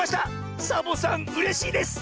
サボさんうれしいです！